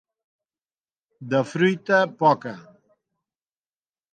De fruita, poca.